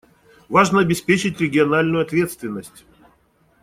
Важно обеспечить региональную ответственность.